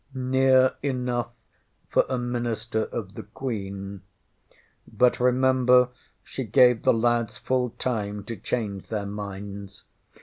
ŌĆÖ ŌĆśNear enough for a Minister of the Queen. But remember she gave the lads full time to change their minds.